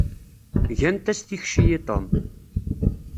Gant-as tikci i Tom.